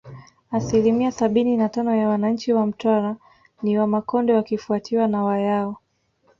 Asilimia sabini na tano ya wananchi wa Mtwara ni Wamakonde wakifuatiwa na Wayao